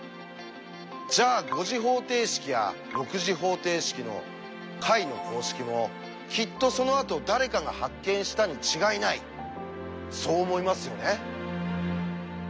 じゃあ５次方程式や６次方程式の解の公式もきっとそのあと誰かが発見したに違いないそう思いますよね。